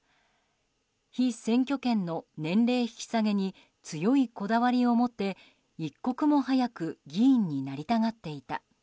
被選挙権の年齢引き下げに強いこだわりを持って一刻も早く議員になりたがっていた。